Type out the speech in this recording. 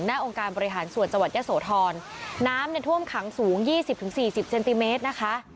องค์การบริหารส่วนจังหวัดยะโสธรน้ำเนี่ยท่วมขังสูงยี่สิบถึงสี่สิบเซนติเมตรนะคะ